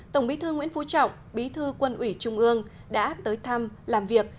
tổng bí thư nguyễn phú trọng bí thư quân ủy trung ương đã tới thăm làm việc